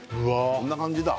こんな感じだ